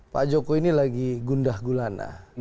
pak jokowi ini lagi gundah gulana